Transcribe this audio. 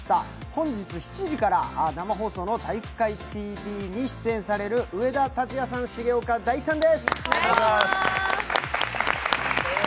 本日７時から生放送の「体育会ＴＶ」に出演される上田竜也さん、重岡大毅さんです。